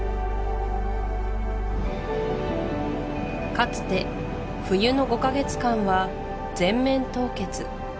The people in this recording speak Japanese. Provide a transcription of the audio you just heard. かつて冬の５カ月間は全面凍結